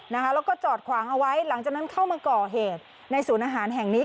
แล้วก็จอดขวางเอาไว้หลังจากนั้นเข้ามาก่อเหตุในศูนย์อาหารแห่งนี้